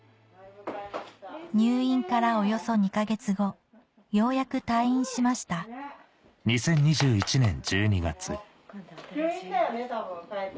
入院からおよそ２か月後ようやく退院しました吸引だよね多分。